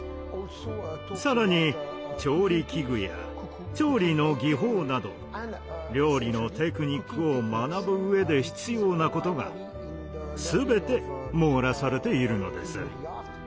さらに調理器具や調理の技法など料理のテクニックを学ぶ上で必要なことがすべて網羅されているのです。